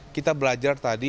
kita belajar tadi